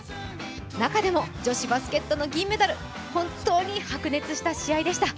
中でも女子バスケットの銀メダル、本当に白熱した試合でした。